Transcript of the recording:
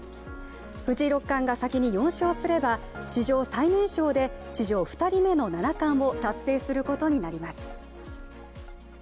藤井六冠が先に４勝すれば史上最年少で史上２人目の七冠を達成することになります。